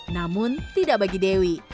namun tidak bagi dewi